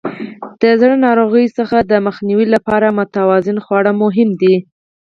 د زړه ناروغیو څخه د مخنیوي لپاره متوازن خواړه مهم دي.